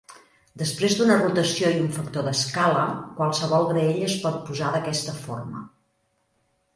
Després d'una rotació i un factor d'escala, qualsevol graella es pot posar d'aquesta forma.